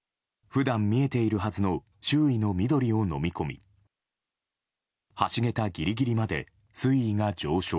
普段、見えているはずの周囲の緑をのみ込み橋げたギリギリまで水位が上昇。